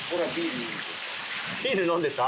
ビール飲んでた？